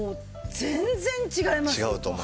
全然違いますね。